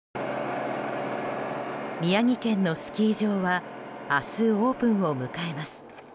宮城県のスキー場は明日オープンを迎えます。